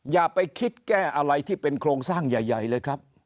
อย่าไปคิดแก้อะไรที่เป็นโครงสร้างใหญ่เลยครับ